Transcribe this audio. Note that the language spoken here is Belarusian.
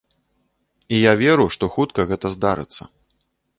І я веру, што хутка гэта здарыцца.